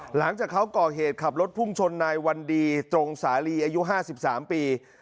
หลังจากเขาก่อเหตุขับรถพุ่งชนนายวันดีตรงสาลีอายุ๕๓ปี